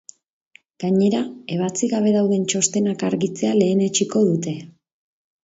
Gainera, ebatzi gabe dauden txostenak argitzea lehenetsiko dute.